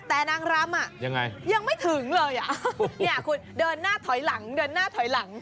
แต่นางรำยังไม่ถึงเลยคุณเดินหน้าถอยหลังเดินหน้าถอยหลัง